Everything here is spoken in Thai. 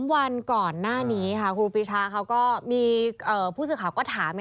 วันก่อนหน้านี้ค่ะครูปีชาเขาก็มีผู้สื่อข่าวก็ถาม